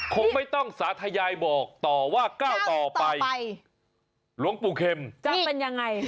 คงไม่ต้องสาธยายบอกต่อว่าก้าวต่อไปหลวงปู่เข็มจะเป็นยังไง